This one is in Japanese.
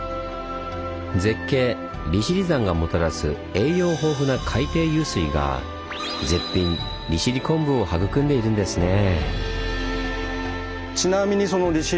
絶景利尻山がもたらす栄養豊富な海底湧水が絶品利尻昆布を育んでいるんですねぇ。